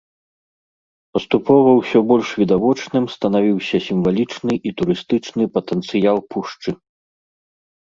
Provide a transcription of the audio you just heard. Паступова ўсё больш відавочным станавіўся сімвалічны і турыстычны патэнцыял пушчы.